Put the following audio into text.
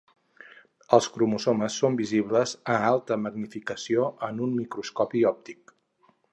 Els cromosomes són visibles a alta magnificació en un microscopi òptic.